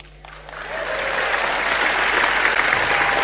saya tidak menyerah